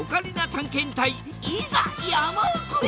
探検隊いざ山奥へ！